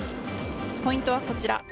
ポイントはこちら。